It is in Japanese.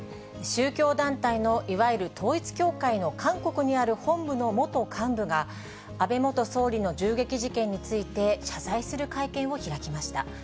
宗教団体のいわゆる統一教会の韓国にある本部の元幹部が、安倍元総理の銃撃事件について謝罪する会見を開きました。